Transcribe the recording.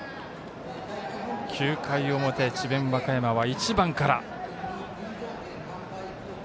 ９回表、智弁和歌山は１番から。